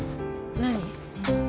何？